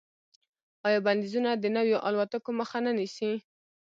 آیا بندیزونه د نویو الوتکو مخه نه نیسي؟